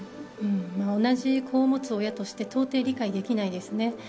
同じ子を持つ親として到底、理解できないですね。